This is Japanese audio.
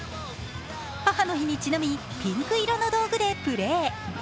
母の日にちなみ、ピンク色の道具でプレー。